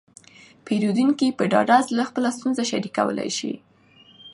پیرودونکي په ډاډه زړه خپله ستونزه شریکولی شي.